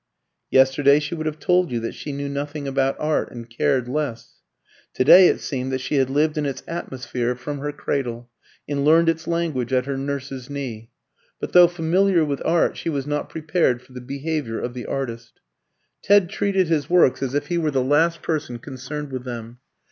Yesterday she would have told you that she knew nothing about art, and cared less. To day it seemed that she had lived in its atmosphere from her cradle, and learned its language at her nurse's knee. But, though familiar with art, she was not prepared for the behaviour of the artist. Ted treated his works as if he were the last person concerned with them.